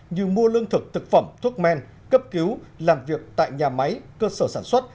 như mua lương thực thực phẩm thuốc men cấp cứu làm việc tại nhà máy cơ sở sản xuất